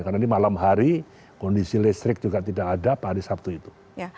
karena ini malam hari kondisi listrik juga tidak ada pada hari sabtu itu